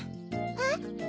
えっ？